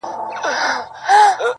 • دا له زوره ډکي موټي -